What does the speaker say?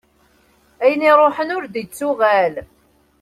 Ayen i iruḥen ur d-yettuɣal.